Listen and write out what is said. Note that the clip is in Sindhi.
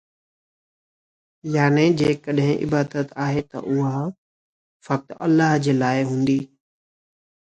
يعني جيڪڏهن عبادت آهي ته اها فقط الله جي لاءِ هوندي